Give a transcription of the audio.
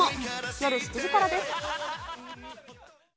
夜７時からです。